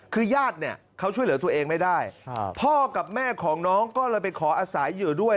คือญาติเนี่ยเขาช่วยเหลือตัวเองไม่ได้พ่อกับแม่ของน้องก็เลยไปขออาศัยอยู่ด้วย